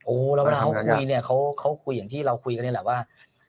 แล้วเวลาเขาคุยเนี่ยเขาคุยอย่างที่เราคุยกันนี่แหละว่า